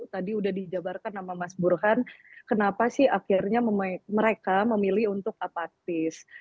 tadi udah dijabarkan sama mas burhan kenapa sih akhirnya mereka memilih untuk apatis